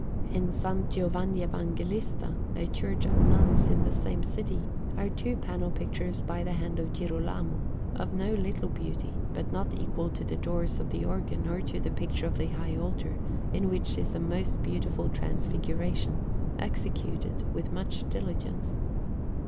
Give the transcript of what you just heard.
In S. Giovanni Evangelista, a church of nuns in the same city, are two panel pictures by the hand of Girolamo, of no little beauty, but not equal to the doors of the organ or to the picture of the high altar, in which is a most beautiful Transfiguration, executed with much diligence.